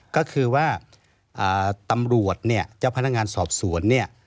ก็คือว่าตำรวจเนี่ยเจ้าพนักงานสอบสวนเนี่ย